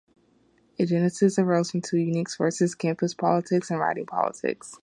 Its genesis arose from two unique sources - campus politics and riding politics.